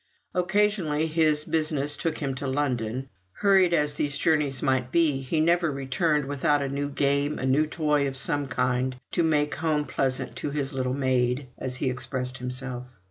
Occasionally his business took him up to London. Hurried as these journeys might be, he never returned without a new game, a new toy of some kind, to "make home pleasant to his little maid," as he expressed himself.